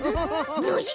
ノジ？